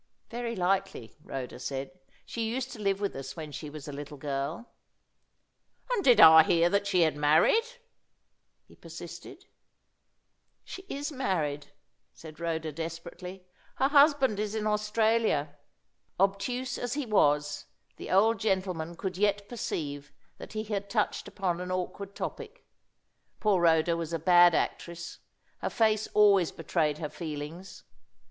"Very likely," Rhoda said. "She used to live with us when she was a little girl." "And did I hear that she had married?" he persisted. "She is married," said Rhoda, desperately. "Her husband is in Australia." Obtuse as he was, the old gentleman could yet perceive that he had touched upon an awkward topic. Poor Rhoda was a bad actress. Her face always betrayed her feelings.